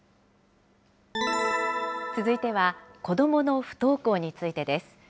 続いては、子どもの不登校についてです。